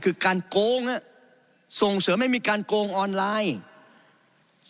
คือการโกงส่งเสริมให้มีการโกงออนไลน์